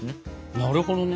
なるほどね。